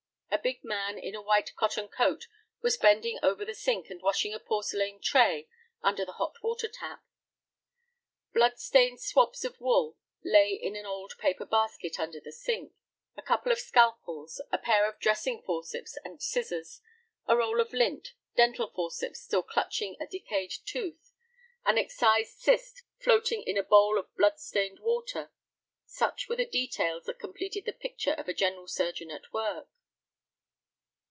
A big man in a white cotton coat was bending over the sink and washing a porcelain tray under the hot water tap. Blood stained swabs of wool lay in an old paper basket under the sink. A couple of scalpels, a pair of dressing forceps and scissors, a roll of lint, dental forceps still clutching a decayed tooth, an excised cyst floating in a bowl of blood stained water, such were the details that completed the picture of a general surgeon at work.